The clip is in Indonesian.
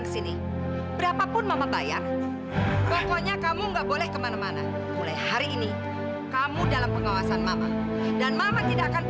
selama belum ada pembatalan